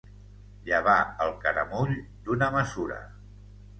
Llevar el caramull d'una mesura.